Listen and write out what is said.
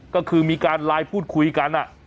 ก็คือมีการไลน์พูดคุยกัน